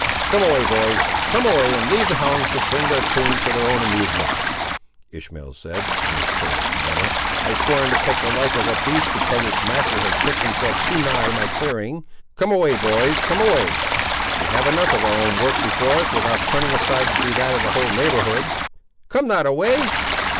"Come away, boys; come away, and leave the hounds to sing their tunes for their own amusement," Ishmael said, in his coldest manner. "I scorn to take the life of a beast, because its master has pitched himself too nigh my clearing; come away, boys, come away; we have enough of our own work before us, without turning aside to do that of the whole neighbourhood." "Come not away!"